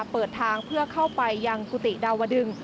เปิดทางเพื่อเข้าไปยังกุฏิดาวดึง